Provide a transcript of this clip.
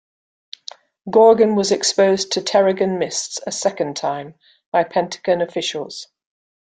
Gorgon was exposed to Terrigen Mists a second time by Pentagon officials.